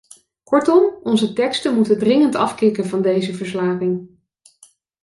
Kortom, onze teksten moeten dringend afkicken van deze verslaving.